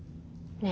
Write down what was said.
ねえ！